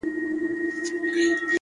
د زده کړې مینه انسان ځوان ساتي!.